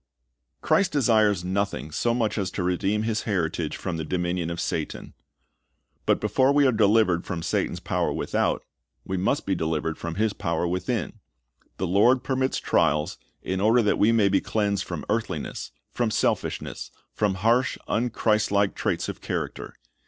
Christ desires nothing so much as to redeem His heritage from the dominion of Satan. l^ut before we are delivered from Satan's power without, we must be delivered from his ilsa. 26:3 '■! Malt. 21:22 3 Rom jj. 32 " S /id // Not God Aveug c Mis Own/" 175 power within. The Lord permits trials in order that we may be cleansed from earthliness, from selfishness, from harsh, unchristlike traits of character.